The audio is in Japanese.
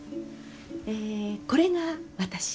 えこれが私。